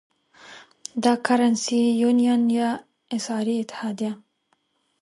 دا Currency Union یا اسعاري اتحادیه ده.